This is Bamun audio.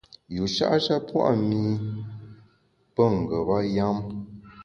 Yusha’ sha pua’ mi pe ngeba yam.